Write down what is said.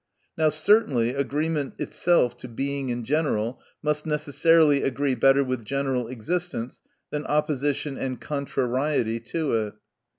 Now certainly agreement itself to Being in general must necessarily agree better with general existence, than opposition and contrariety to it.